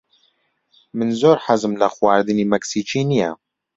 من زۆر حەزم لە خواردنی مەکسیکی نییە.